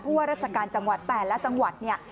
ว่าราชการจังหวัดแต่ละจังหวัดเนี่ย